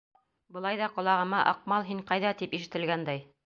Былай ҙа ҡолағыма «Аҡмал, һин ҡайҙа?» тип ишетелгәндәй.